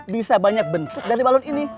bisa banyak bentuk dari balon ini